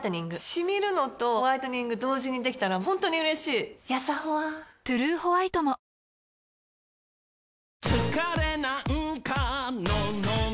シミるのとホワイトニング同時にできたら本当に嬉しいやさホワ「トゥルーホワイト」も幕を持った警察官。